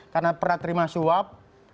karena pernah terima suap